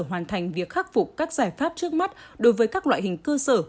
hoàn thành việc khắc phục các giải pháp trước mắt đối với các loại hình cơ sở